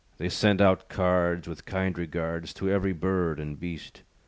They sent out cards, With kind regards, To every bird and beast.